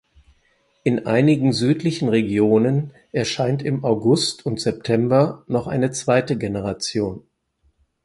In einigen südlichen Regionen erscheint im August und September noch eine zweite Generation.